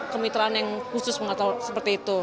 kemitraan yang khusus seperti itu